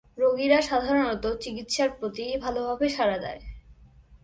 রোগীরা সাধারণত চিকিৎসার প্রতি ভালভাবে সাড়া দেয়।